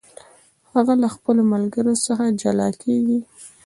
هغه له خپلو ملګرو څخه جلا کیږي.